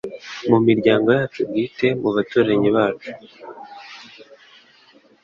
Mu miryango yacu bwite, mu baturanyi bacu,